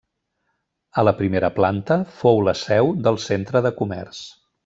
A la primera planta fou la seu del Centre de Comerç.